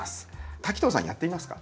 滝藤さんやってみますか？